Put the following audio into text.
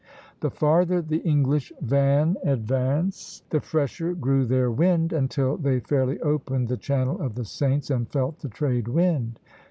The farther the English van advanced, the fresher grew their wind, until they fairly opened the channel of the Saints and felt the trade wind.